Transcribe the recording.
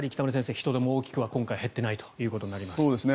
人出も今回は大きく減っていないということになります。